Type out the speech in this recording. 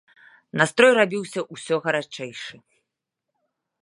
Настрой рабіўся ўсё гарачэйшы.